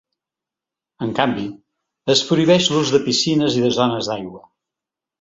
En canvi, es prohibeix l’ús de piscines i de zones d’aigua.